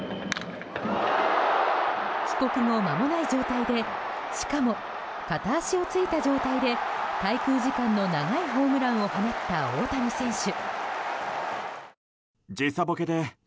帰国後、まもない状態でしかも片足をついた状態で滞空時間の長いホームランを放った大谷選手。